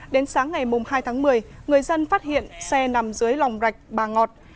đến sáng ngày hai tháng một mươi người dân phát hiện xe nằm dưới lòng rạch bà ngọt